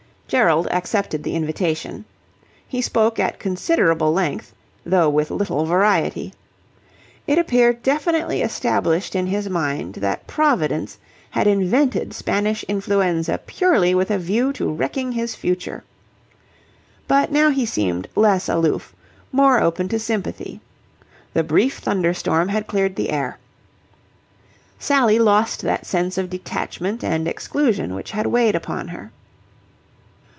Gerald accepted the invitation. He spoke at considerable length, though with little variety. It appeared definitely established in his mind that Providence had invented Spanish influenza purely with a view to wrecking his future. But now he seemed less aloof, more open to sympathy. The brief thunderstorm had cleared the air. Sally lost that sense of detachment and exclusion which had weighed upon her.